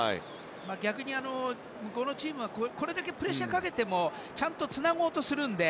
逆にこのチームはこれだけプレッシャーかけてもちゃんとつなごうとするので。